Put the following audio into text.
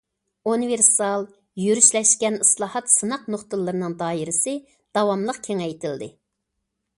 ئۇنىۋېرسال، يۈرۈشلەشكەن ئىسلاھات سىناق نۇقتىلىرىنىڭ دائىرىسى داۋاملىق كېڭەيتىلدى.